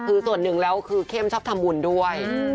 คือส่วนหนึ่งแล้วคือเข้มชอบทำบุญด้วย